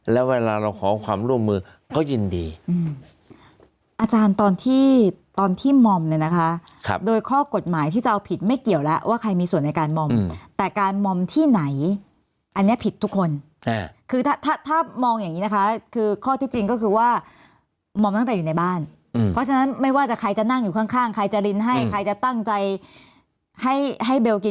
เราก็เลยบอกพิจารณาแล้วคดีมันเหมือนกับมันควรจะเป็นซ่องโจรด้วยที่นี่